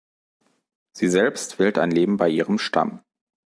Sie selbst wählt ein Leben bei ihrem Stamm.